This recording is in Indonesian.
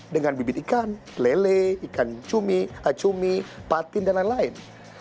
dengan bibit ikan lele ikan cumi acumi patin dan lain lain